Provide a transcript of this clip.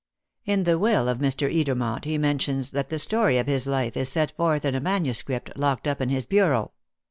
"In the will of Mr. Edermont, he mentions that the story of his life is set forth in a manuscript locked up in his bureau.